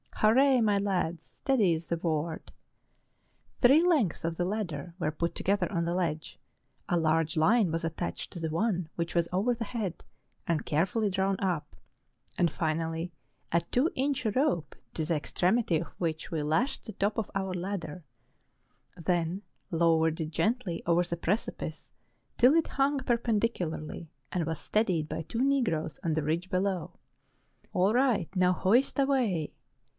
Hurrah, my lads! steady's the word! Three lengths of the ladder were put together on the ledge, a larjre line was attached to the one which was over the head, and carefully drawn up; and finally, a two inch rope to the extremity of which we lashed 256 MOUNTAIN ADVENTURES. the top of our ladder, then lowered it gently over the precipice till it hung perpendicularly, and was steadied by two Negroes on the ridge below. " All right; now hoist away!